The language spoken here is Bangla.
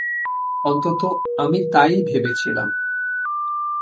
অন্তত আমি তাই ভেবেছিলাম।